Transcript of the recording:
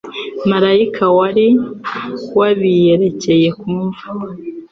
Maraika wari wabiyerekeye ku mva